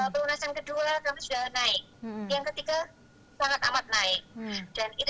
pelunasan kedua kami sudah naik